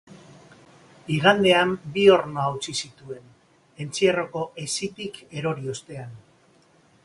Igandean bi orno hautsi zituen, entzierroko hesitik erori ostean.